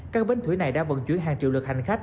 các bến thủy này đã vận chuyển hàng triệu lượt hành khách